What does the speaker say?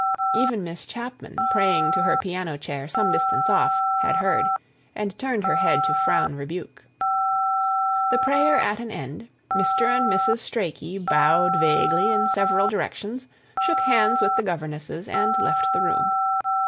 Even Miss Chapman, praying to her piano chair some distance off, had heard, and turned her head to frown rebuke. The prayer at an end, Mr. and Mrs. Strachey bowed vaguely in several directions, shook hands with the governesses, and left the room.